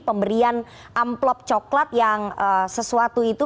pemberian amplop coklat yang sesuatu itu